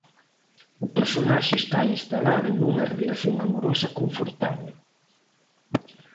O personaxe está instalado nunha relación amorosa confortábel.